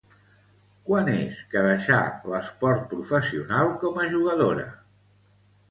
Quan és que deixà l'esport professional com a jugadora?